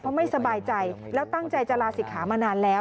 เพราะไม่สบายใจแล้วตั้งใจจะลาศิกขามานานแล้ว